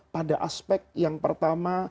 pada aspek yang pertama